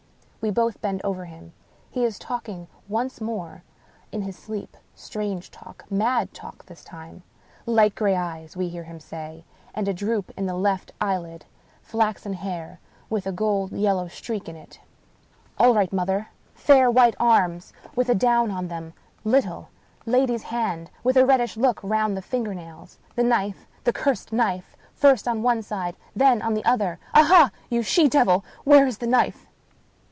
We both bend over him. He is talking once more in his sleep — strange talk, mad talk, this time. " Light gray eyes " (we hear him say), " and a droop in the left eyelid — flaxen hair, with a gold yellow streak in it 218 Wilkie Collins — ^all right, mother ! fair, white arms with a down on them— little, lady's hand, with a reddish look round the finger nails — ^the knife — the cursed knife — first on one side, then on the other — aha, you she devil ! where is the knife